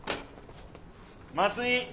松井。